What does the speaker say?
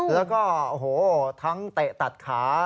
แล้วก็ทั้งเตะตัดขา